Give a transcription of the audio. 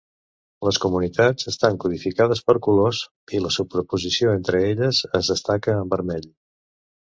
Les comunitats estan codificades per colors i la superposició entre elles es destaca amb vermell.